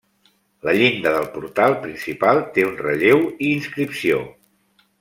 La llinda del portal principal té un relleu i inscripció.